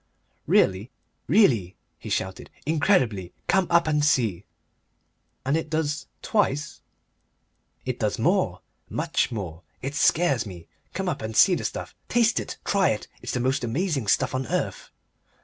"Really?" "Really!" he shouted. "Incredibly! Come up and see." "And it does twice? "It does more, much more. It scares me. Come up and see the stuff. Taste it! Try it! It's the most amazing stuff on earth."